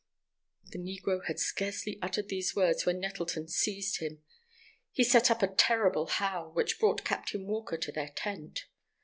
The negro had scarcely uttered these words when Nettleton seized him. He set up a terrible howl, which brought Captain Walker to their tent.